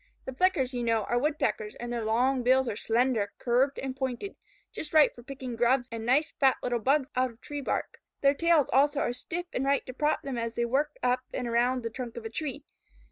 The Flickers, you know, are woodpeckers, and their long bills are slender, curved, and pointed, just right for picking Grubs and nice fat little Bugs out of tree bark. Their tails, also, are stiff and right to prop them as they work up and around the trunk of a tree.